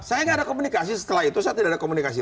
saya nggak ada komunikasi setelah itu saya tidak ada komunikasi